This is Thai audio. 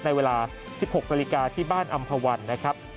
ในเวลา๑๖นาฬิกาที่บ้านอำภาวันนะครับ